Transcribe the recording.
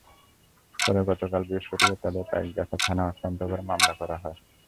পরে গতকাল বৃহস্পতিবার তাঁদের পাইকগাছা থানায় হস্তান্তর করে মামলা করা হয়।